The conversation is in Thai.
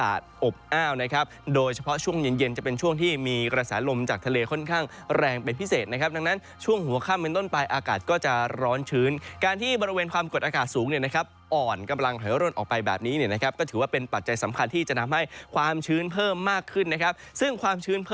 อบอ้าวนะครับโดยเฉพาะช่วงเย็นเย็นจะเป็นช่วงที่มีกระแสลมจากทะเลค่อนข้างแรงเป็นพิเศษนะครับดังนั้นช่วงหัวค่ำเป็นต้นไปอากาศก็จะร้อนชื้นการที่บริเวณความกดอากาศสูงเนี่ยนะครับอ่อนกำลังถอยร่นออกไปแบบนี้เนี่ยนะครับก็ถือว่าเป็นปัจจัยสำคัญที่จะทำให้ความชื้นเพิ่มมากขึ้นนะครับซึ่งความชื้น